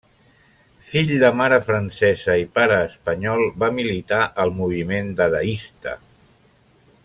Fill de mare francesa i pare espanyol, va militar al moviment dadaista.